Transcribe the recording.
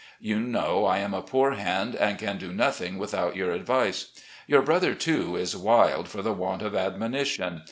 You know I am a poor hand and can do nothing without your advice. Your brother, too, is wild for the want of admonition.